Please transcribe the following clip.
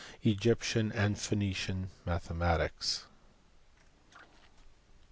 EGYPTIAN AND PHOENICIAN MATHEMATICS.